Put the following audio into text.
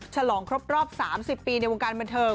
ฉลองครบรอบ๓๐ปีในวงการบันเทิง